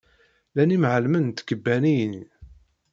Llan d imɛellmen n tkebbaniyin.